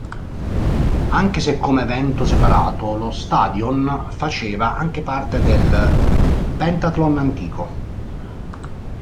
Anche se come evento separato, lo stadion faceva anche parte del pentathlon antico.